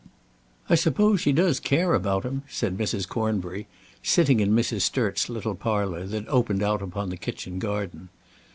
"I suppose she does care about him," said Mrs. Cornbury, sitting in Mrs. Sturt's little parlour that opened out upon the kitchen garden.